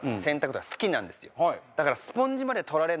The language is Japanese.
だから。